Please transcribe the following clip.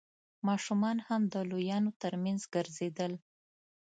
ماشومان هم د لويانو تر مينځ ګرځېدل.